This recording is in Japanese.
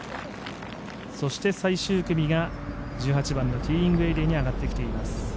そして最終組が１８番のティーイングエリアに上がってきています。